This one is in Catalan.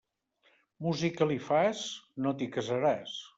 Música li fas? No t'hi casaràs.